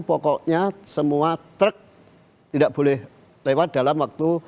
pokoknya semua truk tidak boleh lewat dalam waktu